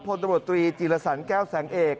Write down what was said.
พลตำรวจตรีจีรสันแก้วแสงเอก